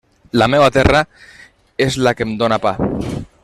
La meua terra és la que em dóna pa.